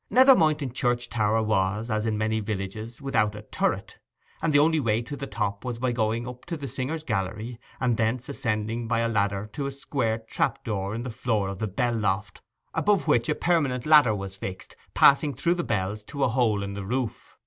Nether Moynton church tower was, as in many villages, without a turret, and the only way to the top was by going up to the singers' gallery, and thence ascending by a ladder to a square trap door in the floor of the bell loft, above which a permanent ladder was fixed, passing through the bells to a hole in the roof.